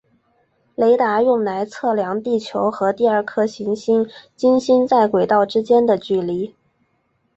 雷达用来测量地球和第二颗行星金星在轨道之间的距离。